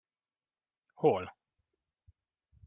Hol?